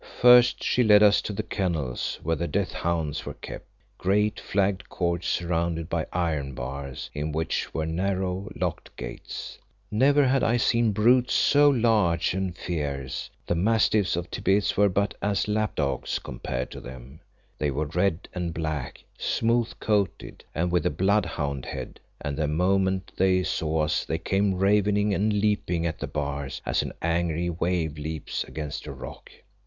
First she led us to the kennels where the death hounds were kept, great flagged courts surrounded by iron bars, in which were narrow, locked gates. Never had I seen brutes so large and fierce; the mastiffs of Thibet were but as lap dogs compared to them. They were red and black, smooth coated and with a blood hound head, and the moment they saw us they came ravening and leaping at the bars as an angry wave leaps against a rock.